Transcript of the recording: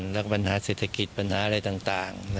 แล้วก็ปัญหาเศรษฐกิจปัญหาอะไรต่าง